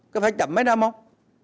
có phải chậm mấy năm không